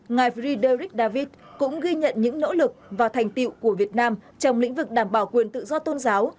ngài friederic david cũng ghi nhận những nỗ lực và thành tiệu của việt nam trong lĩnh vực đảm bảo quyền tự do tôn giáo